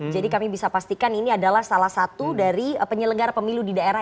jadi kami bisa pastikan ini adalah salah satu dari penyelenggara pemilu di daerah